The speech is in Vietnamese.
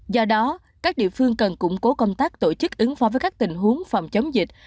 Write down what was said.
do đó các địa phương cần củng cố công tác tổ chức ứng phó với các tình huống phòng chống dịch